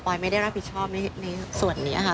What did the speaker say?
ไม่ได้รับผิดชอบในส่วนนี้ค่ะ